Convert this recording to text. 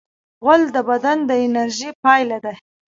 غول د بدن د انرژۍ پایله ده.